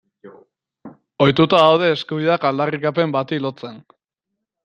Ohituta gaude eskubideak aldarrikapen bati lotzen.